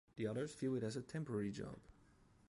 The others view it as a temporary job.